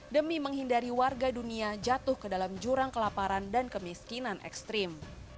demi menghindari warga dunia jatuh ke dalam jurang kelaparan dan kemiskinan ekstrim